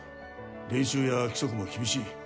練習や規則も厳しい